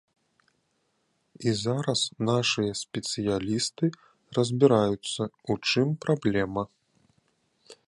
І зараз нашыя спецыялісты разбіраюцца, у чым праблема.